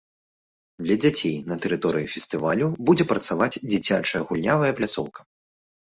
Для дзяцей на тэрыторыі фестывалю будзе працаваць дзіцячая гульнявая пляцоўка.